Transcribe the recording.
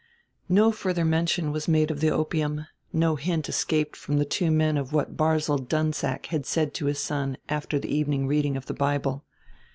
No further mention was made of the opium, no hint escaped from the two men of what Barzil Dunsack had said to his son after the evening reading of the Bible.